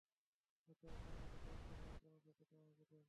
আচ্ছা আপনি একটা কাজ করেন, আপনার সততা আমাকে দেন।